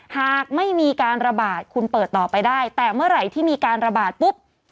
หากไม่มีการระบาดคุณเปิดต่อไปได้แต่เมื่อไหร่ที่มีการระบาดปุ๊บ